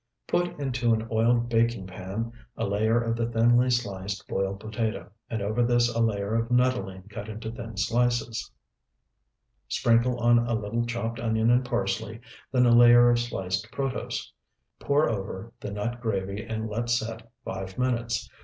Put into an oiled baking pan a layer of the thinly sliced boiled potato, and over this a layer of nuttolene cut into thin slices. Sprinkle on a little chopped onion and parsley, then a layer of sliced protose. Pour over the nut gravy and let set five minutes.